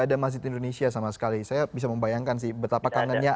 ada masjid indonesia sama sekali saya bisa membayangkan sih betapa kangennya